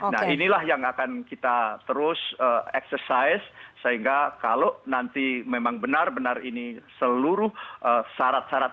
nah inilah yang akan kita terus eksersis sehingga kalau nanti memang benar benar ini seluruh syarat syarat